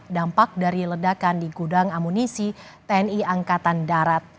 dampak dari ledakan di gudang amunisi tni angkatan darat